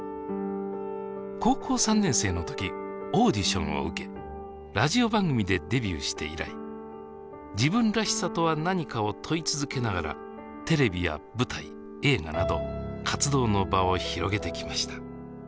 高校３年生の時オーディションを受けラジオ番組でデビューして以来自分らしさとは何かを問い続けながらテレビや舞台映画など活動の場を広げてきました。